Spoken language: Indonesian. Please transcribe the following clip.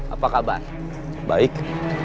apa kabar baik